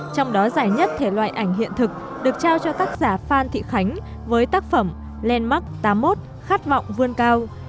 trong đó giải nhất thể loại ảnh hiện thực được trao cho tác giả phan thị khánh với tác phẩm landmark tám mươi một khát vọng vươn cao